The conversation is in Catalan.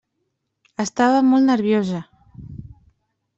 Estava molt nerviosa.